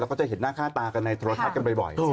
แล้วก็จะเห็นหน้าค่าตากันในโทรทัศน์กันบ่อย